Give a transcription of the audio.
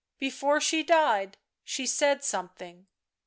. before she died she said something.